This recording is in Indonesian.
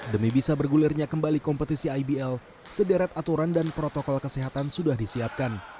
demi bisa bergulirnya kembali kompetisi ibl sederet aturan dan protokol kesehatan sudah disiapkan